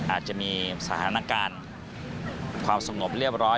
อาจจะมีสถานการณ์ความสงบเรียบร้อย